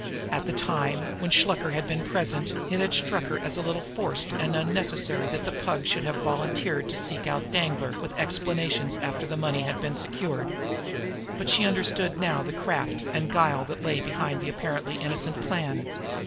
At the time, when Shluker had been present, it had struck her as a little forced and unnecessary that the Pug should have volunteered to seek out Danglar with explanations after the money had been secured. But she understood now the craft and guile that lay behind his apparently innocent plan.